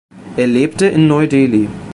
Er lebte in Neu-Delhi.